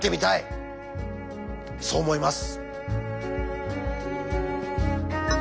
そう思います。